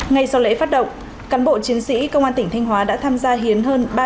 ngay sau lễ phát động cán bộ chiến sĩ công an tỉnh thanh hóa đã tham gia một cuộc chiến đấu